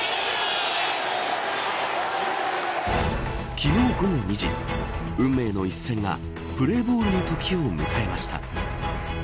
昨日午後２時運命の一戦がプレーボールのときを迎えました。